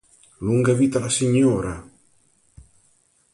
Lunga vita alla signora!